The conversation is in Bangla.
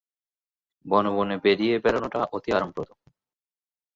বনে বনে বেরিয়ে বেড়ানটা অতি আরামপ্রদ।